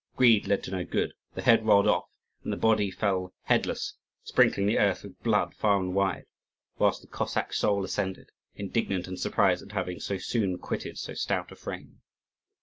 Greed led to no good: the head rolled off, and the body fell headless, sprinkling the earth with blood far and wide; whilst the Cossack soul ascended, indignant and surprised at having so soon quitted so stout a frame.